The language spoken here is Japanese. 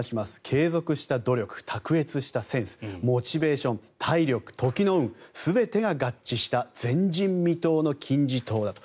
継続した努力、卓越したセンスモチベーション、体力、時の運全てが合致した前人未到の金字塔だと。